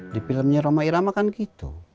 di filmnya roma irama kan gitu